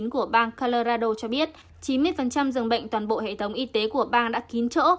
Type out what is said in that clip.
của bang calirado cho biết chín mươi dường bệnh toàn bộ hệ thống y tế của bang đã kín chỗ